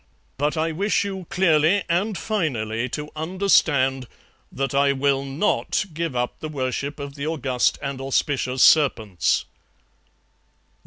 But I wish you clearly and finally to understand that I will NOT give up the worship of the august and auspicious serpents.'